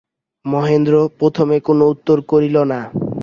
মহেন্দ্র প্রথমে কোনো উত্তর করিল না।